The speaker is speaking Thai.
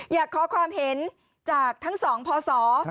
อยากขอความเห็นจากทั้งสองพศ